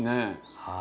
はい。